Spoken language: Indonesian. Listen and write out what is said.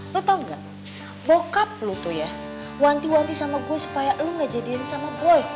lo tau gak bokap lo tuh ya wanti wanti sama gue supaya lo gak jadikan sama boy